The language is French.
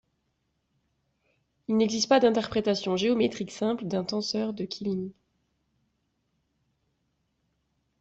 Il n'existe pas d'interprétation géométrique simple d'un tenseur de Killing.